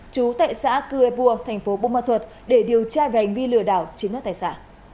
chú tệ xã cư ê bua thành phố bông ma thuật để điều tra về hành vi lừa đảo chiến đấu tài xã